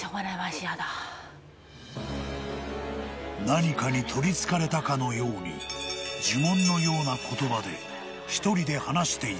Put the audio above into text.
［何かに取りつかれたかのように呪文のような言葉で１人で話していた］